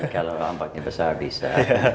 kalau rambutnya besar bisa